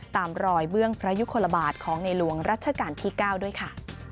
ตามรอยเบื้องพระยุคลบาทของในหลวงรัชกาลที่๙ด้วยค่ะ